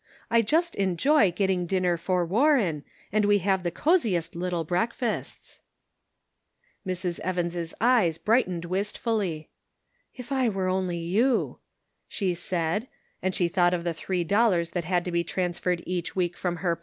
I just enjoy getting dinner for Warren, and we have the cosiest little breakfasts." Serving Christ in the Kitchen. 815 Mrs. Evans' eyes brightened wistfully. " If I were only you," she said, and she thought of the three dollars that had to be transferred each week from her